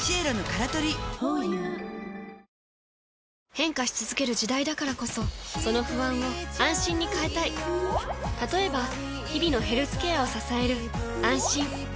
変化し続ける時代だからこそその不安を「あんしん」に変えたい例えば日々のヘルスケアを支える「あんしん」